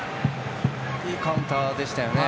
いいカウンターでしたね。